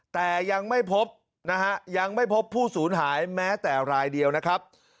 แต่ยังไม่พบนะฮะยังไม่พบผู้สูญหายแม้แต่รายเดียวนะครับ